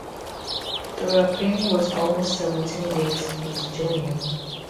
Dora Penny was almost seventeen years his junior.